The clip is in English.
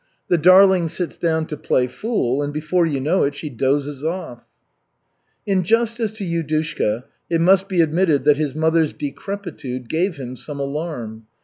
"The darling sits down to play fool and before you know it, she dozes off." In justice to Yudushka it must be admitted that his mother's decrepitude gave him some alarm.